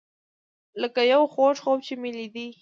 لکه یو خوږ خوب چې مې لیدی.